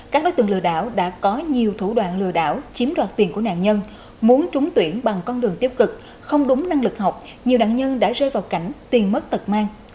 các đối tượng lừa đảo đã có nhiều thủ đoạn lừa đảo chiếm đoạt tiền của nạn nhân muốn trúng tuyển bằng con đường tiêu cực không đúng năng lực học nhiều nạn nhân đã rơi vào cảnh tiền mất tật mang